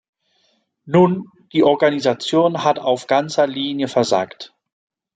Nun, die Organisation hat auf ganzer Linie versagt.